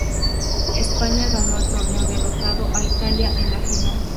España ganó el torneo derrotando a Italia en la final.